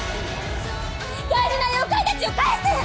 大事な妖怪たちを返せ！